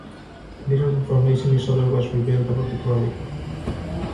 Little information is otherwise revealed about the project.